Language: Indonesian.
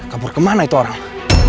kabur kemana itu orang